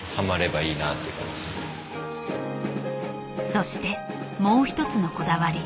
そしてもう一つのこだわり。